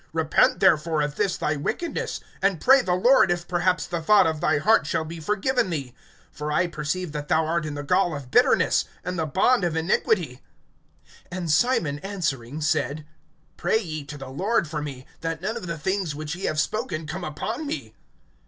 (22)Repent therefore of this thy wickedness, and pray the Lord, if perhaps the thought of thy heart shall be forgiven thee. (23)For I perceive that thou art in the gall of bitterness, and the bond of iniquity. (24)And Simon answering, said: Pray ye to the Lord for me, that none of the things which ye have spoken come upon me.